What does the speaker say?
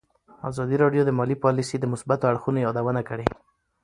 ازادي راډیو د مالي پالیسي د مثبتو اړخونو یادونه کړې.